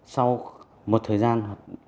sau một thời gian